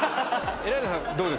エライザさんどうです？